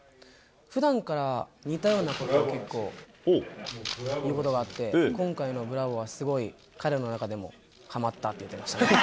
ふだんから似たようなことを結構、言うことがあって、今回のブラボーは、すごい彼の中でもはまったって言ってましたね。